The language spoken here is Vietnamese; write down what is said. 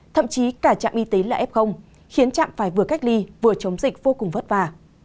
thậm chí cả trạm y tế là f khiến trạm phải vừa cách ly vừa chống dịch vô cùng vất vả